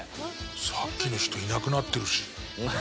さっきの人いなくなってるし。